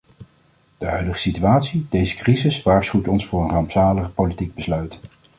De huidige situatie, deze crisis, waarschuwt ons voor een rampzalig politiek besluit.